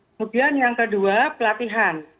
kemudian yang kedua pelatihan